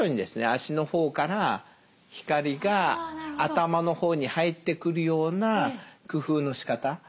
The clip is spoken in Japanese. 足の方から光が頭の方に入ってくるような工夫のしかた。